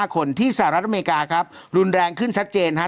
คนที่สหรัฐอเมริกาครับรุนแรงขึ้นชัดเจนฮะ